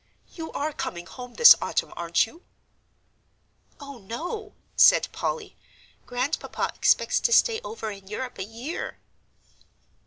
"You are coming home this autumn, aren't you?" "Oh, no," said Polly, "Grandpapa expects to stay over in Europe a year."